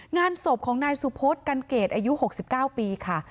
งานศพของนายสุพศกันเกตอายุ๖๙ปีค่ะ